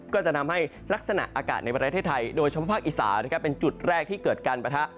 ก็จะทำให้ลักษณะอากาศในประเทศไทยโดยเฉพาะภาคอีสานเป็นจุดแรกที่เกิดการปะทะ